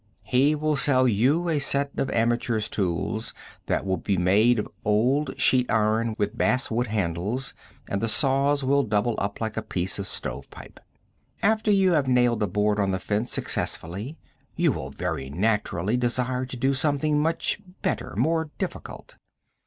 He will sell you a set of amateur's tools that will be made of old sheet iron with basswood handles, and the saws will double up like a piece of stovepipe. After you have nailed a board on the fence successfully, you will very naturally desire to do something much better, more difficult.